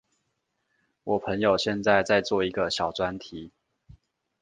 我朋友現在在做一個小專題